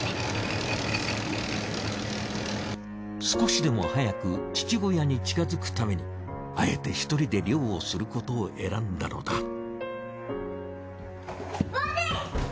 少しでも早く父親に近づくためにあえて１人で漁をすることを選んだのだ。